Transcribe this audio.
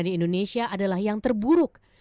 di indonesia adalah yang terburuk